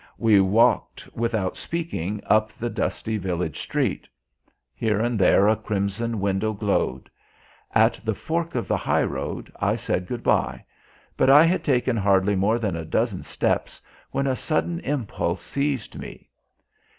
We walked without speaking up the dusty village street. Here and there a crimson window glowed. At the fork of the high road I said good bye. But I had taken hardly more than a dozen paces when a sudden impulse seized me.